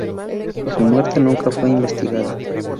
Su muerte nunca fue investigada.